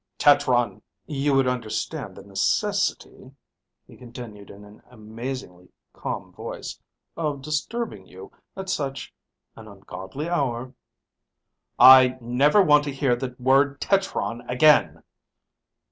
"Tetron!" "... you would understand the necessity," he continued in an amazingly calm voice, "of disturbing you at such an ungodly hour ..." "I never want to hear the word tetron again!"